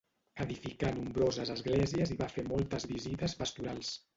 Edificà nombroses esglésies i va fer moltes visites pastorals.